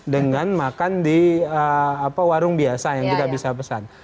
dengan makan di warung biasa yang kita bisa pesan